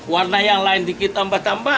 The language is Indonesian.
warna yang lain dikit tambah tambah